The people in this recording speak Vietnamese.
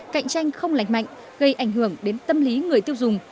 cạnh tranh không lành mạnh gây ảnh hưởng đến tâm lý người tiêu dùng